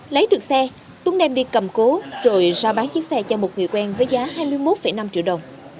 lấy được xe tuấn đem đi cầm cố rồi ra bán chiếc xe cho một người quen với giá hai mươi một năm triệu đồng